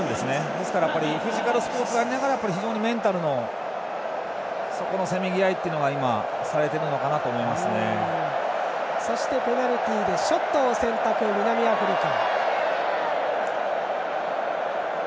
ですからフィジカルスポーツでありながら非常にメンタルのせめぎ合いというのがそしてペナルティーでショットを選択、南アフリカ。